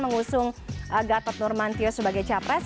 mengusung gatot nurmantio sebagai capres